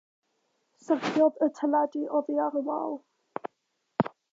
Syrthiodd y teledu oddi ar y wal.